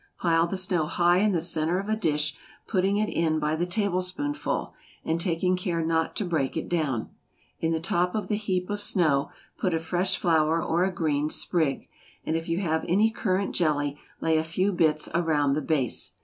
Pile the snow high in the centre of a dish, putting it in by the tablespoonful, and taking care not to break it down; in the top of the heap of snow put a fresh flower or a green sprig; and if you have any currant jelly, lay a few bits around the base.